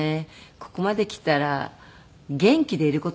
ここまで来たら元気でいる事ですね。